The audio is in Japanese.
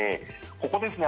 ここですね